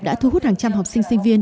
đã thu hút hàng trăm học sinh sinh viên